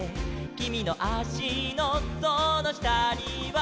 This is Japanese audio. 「きみのあしのそのしたには」